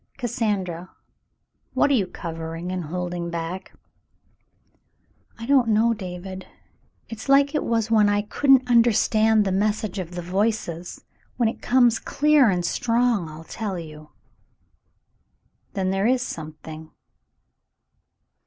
"Cassandra, what are you covering and holding back ?" "I don't know, David. It's like it was when I couldn't understand the message of the 'Voices' ! When it comes clear and strong, I'll tell you." "Then there is something.'